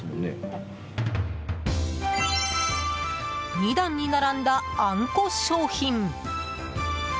２段に並んだ、あんこ商品。